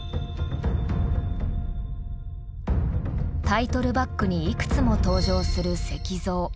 タイトルバックにいくつも登場する石像。